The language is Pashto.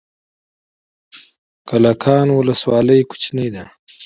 کلکان ولسوالۍ کوچنۍ ده؟